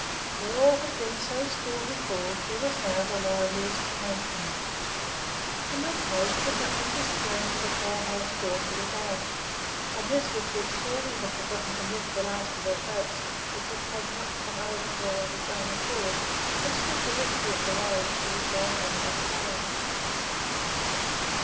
Where all had been so still before there was now the liveliest commotion. The milkmaid could not resist going to the cow house door to look out; and Lisbeth would surely have forgotten to milk the last of her goats if it had not come over to her of its own accord and stood directly in her way as she was going out of the fold.